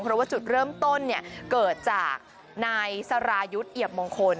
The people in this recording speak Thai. เพราะว่าจุดเริ่มต้นเกิดจากนายสรายุทธ์เอียบมงคล